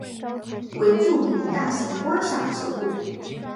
为著名大型观赏植物。